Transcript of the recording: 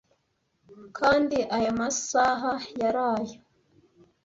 kandi ayo masaha yari ayo